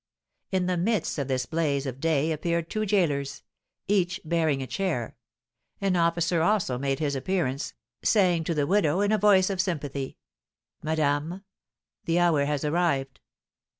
In the midst of this blaze of day appeared two gaolers, each bearing a chair; an officer also made his appearance, saying to the widow in a voice of sympathy: "Madame, the hour has arrived."